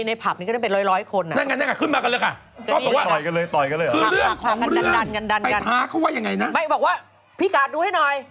ไม่บอกว่าพี่การ์ดดูให้หน่อย